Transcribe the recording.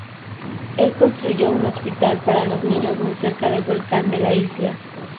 Él construyó un hospital para los niños muy cerca del volcán de la isla.